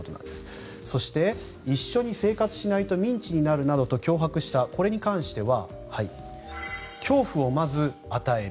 そして、一緒に生活しないとミンチになるなどと脅迫したこれに関しては恐怖をまず与える。